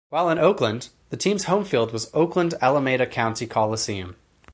While in Oakland, the team's home field was Oakland-Alameda County Coliseum.